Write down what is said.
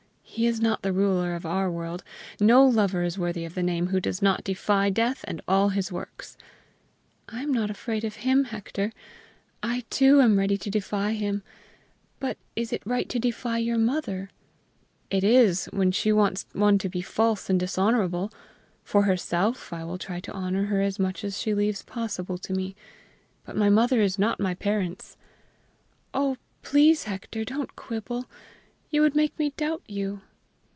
He is not the ruler of our world. No lover is worthy of the name who does not defy Death and all his works!" "I am not afraid of him, Hector. I, too, am ready to defy him. But is it right to defy your mother?" "It is, when she wants one to be false and dishonorable. For herself, I will try to honor her as much as she leaves possible to me. But my mother is not my parents." "Oh, please, Hector, don't quibble. You would make me doubt you!"